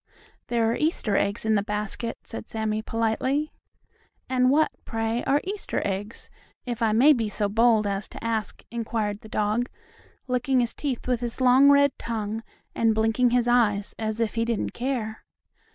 "There are Easter eggs in the basket," said Sammie politely. "And what, pray, are Easter eggs, if I may be so bold as to ask?" inquired the dog, licking his teeth with his long red tongue, and blinking his eyes, as if he didn't care.